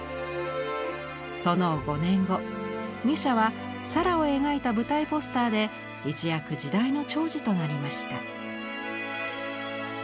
その５年後ミュシャはサラを描いた舞台ポスターで一躍時代の寵児となりました。